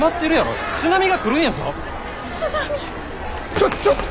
ちょちょっと！